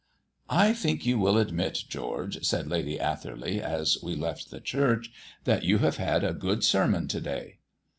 "I think you will admit, George," said Lady Atherley, as we left the church, "that you have had a good sermon to day."